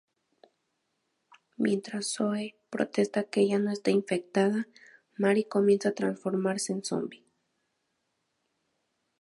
Mientras Zoe protesta que ella no está infectada, Mary comienza a transformarse en zombie.